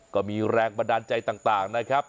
ก็มีแรงบันดาลใจต่างนะครับ